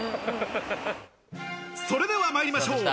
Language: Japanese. それでは参りましょう。